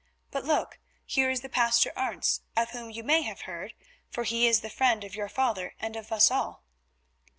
But look, here is the Pastor Arentz, of whom you may have heard, for he is the friend of your father and of us all."